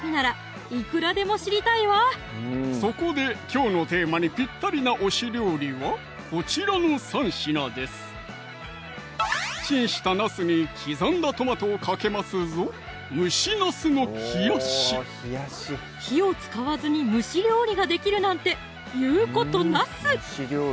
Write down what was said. そこできょうのテーマにぴったりな推し料理はこちらの３品ですチンしたなすに刻んだトマトをかけますぞ火を使わずに蒸し料理ができるなんて言うことなす！